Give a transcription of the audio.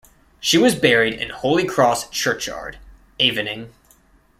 She was buried in Holy Cross churchyard, Avening.